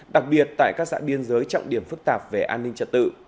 đặc biệt tại các xã biên giới trọng điểm phức tạp về an ninh trật tự